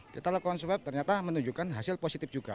kita lakukan swab ternyata menunjukkan hasil positif juga